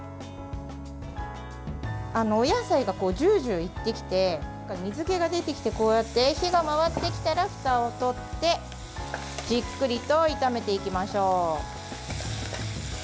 お野菜がジュージューいってきて水けが出てきてこうやって火が回ってきたらふたをとってじっくりと炒めていきましょう。